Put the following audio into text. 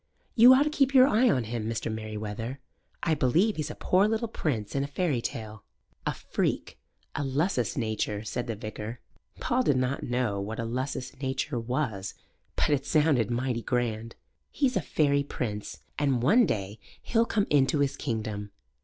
You ought to keep your eye on him, Mr. Merewether. I believe he's a poor little prince in a fairy tale." "A freak a lusus naturae" said the vicar. Paul did not know what a lusus naturae was, but it sounded mighty grand. "He's a fairy prince, and one day he'll come into his kingdom."